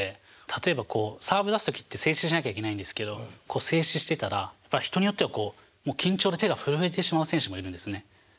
例えばこうサーブ出す時って静止しなきゃいけないんですけどこう静止してたら人によってはこうもう緊張で手が震えてしまう選手もいるんですね。